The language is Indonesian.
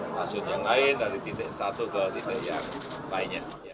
masuk yang lain dari titik satu ke titik yang lainnya